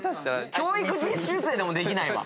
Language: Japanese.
教育実習生でもできないわ！